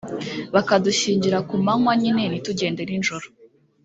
bakadushyingira ku manywa nyine ntitugende nijoro